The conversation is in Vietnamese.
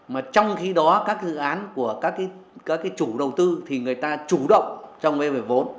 mà trong khi đó các dự án của các cái chủ đầu tư thì người ta chủ động trong mê về vốn